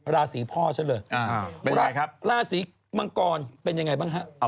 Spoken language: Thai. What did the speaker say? ราศีพ่อฉันเลยราศีมังกรเป็นยังไงบ้างฮะ